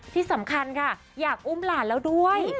ที่สำคัญค่ะอยากอุ้มหลานแล้วด้วย